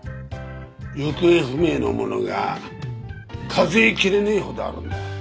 行方不明のものが数え切れねえほどあるんだ。